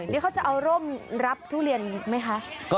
นี่เขาจะเอาร่มรับทุเรียนไหมคะ